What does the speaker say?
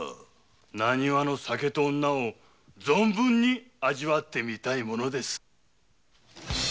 浪花の酒と女を存分に味わってみたいものです。